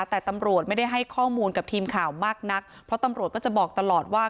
แต่ตำรวจไม่ได้ให้ข้อมูลกับทีมข่าวมากนักเพราะตำรวจก็จะบอกตลอดว่า